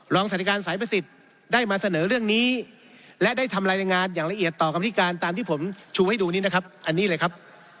สาธิการสายประสิทธิ์ได้มาเสนอเรื่องนี้และได้ทำรายงานอย่างละเอียดต่อกรรมธิการตามที่ผมชูให้ดูนี้นะครับอันนี้เลยครับ